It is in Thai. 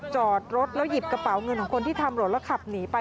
จอดรถแล้วหยิบกระเป๋าเงินของคนที่ทำรถแล้วขับหนีไป